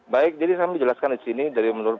baik jadi saya menjelaskan disini dari menurut